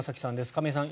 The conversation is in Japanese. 亀井さん